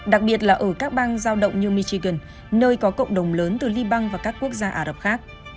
đặc biệt là ở các bang giao động như michigan nơi có cộng đồng lớn từ liban và các quốc gia ả rập khác